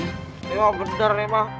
ini mah bener nih mah